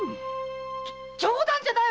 冗談じゃないよ